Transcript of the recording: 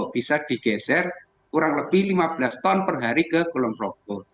bisa digeser kurang lebih lima belas ton per hari ke kulon progo